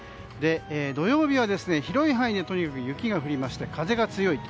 土曜日は広い範囲でとにかく雪が降りまして風が強いと。